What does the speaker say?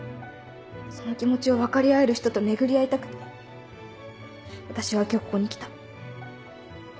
その気持ちを分かり合える人と巡り合いたくて私は今日ここに来た。